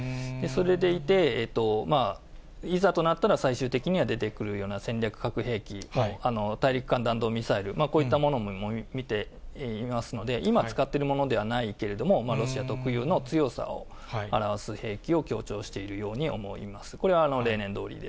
それでいて、いざとなったら、最終的には出てくるような戦略核兵器、大陸間弾道ミサイル、こういったものも見ていますので、今使っているものではないけれども、ロシア特有の強さを表す兵器を強調しているように思います。